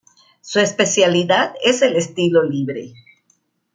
Su especialidad es el estilo libre.